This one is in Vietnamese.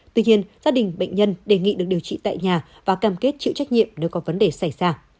tuy nhiên gia đình bệnh nhân đề nghị được điều trị tại nhà và cam kết chịu trách nhiệm nếu có vấn đề xảy ra